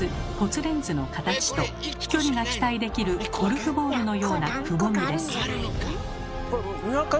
レンズの形と飛距離が期待できるゴルフボールのようなくぼみです。